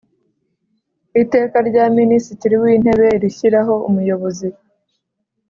Iteka rya Minisitiri w’Intebe rishyiraho Umuyobozi